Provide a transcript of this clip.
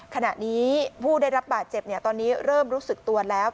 ขณะนี้ผู้ได้รับบาดเจ็บตอนนี้เริ่มรู้สึกตัวแล้ว